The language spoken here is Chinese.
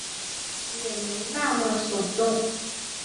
也没那么耸动